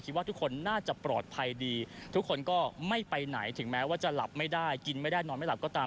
ว่าทุกคนน่าจะปลอดภัยดีทุกคนก็ไม่ไปไหนถึงแม้ว่าจะหลับไม่ได้กินไม่ได้นอนไม่หลับก็ตาม